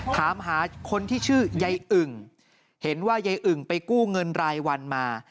ถามหาคนที่ชื่อยายอึ่งเห็นว่ายายอึ่งไปกู้เงินรายวันมา